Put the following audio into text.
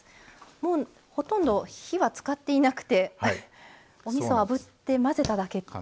もうほとんど火は使っていなくておみそあぶって混ぜただけっていう。